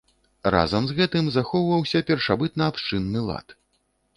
Разам з гэтым, захоўваўся першабытна-абшчынны лад.